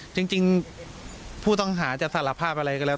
จริงผู้ต้องหาจะสารภาพอะไรก็แล้ว